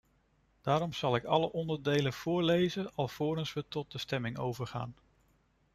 Daarom zal ik alle onderdelen voorlezen alvorens we tot de stemming overgaan.